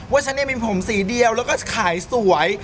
ฉันยังมีผมสีเดียวแล้วก็ขายสวย